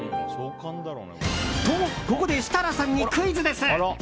と、ここで設楽さんにクイズです。